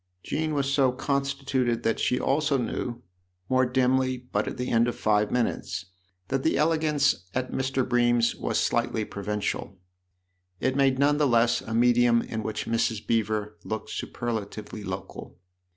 Jean was so constituted that she also knew, more dimly but at the end of five minutes, that the elegance at Mr. Bream's was slightly provincial. It made none the less a medium in which Mrs. Beever looked superlatively local.